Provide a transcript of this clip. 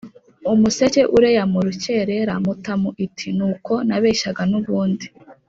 umuseke ureya Mu rukerera Mutamu iti Nuko nabeshyaga n ubundi